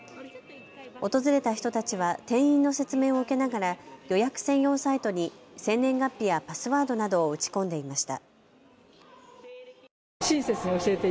訪れた人たちは店員の説明を受けながら、予約専用サイトに生年月日やパスワードなどを打ち込んでいました。